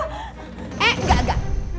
eh enggak enggak